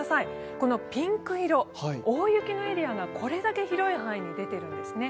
このピンク色、大雪のエリアがこれだけ広い範囲に出てるんですね。